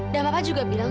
dan papa juga bilang